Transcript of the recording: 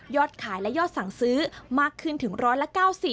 ขายและยอดสั่งซื้อมากขึ้นถึง๑๙๐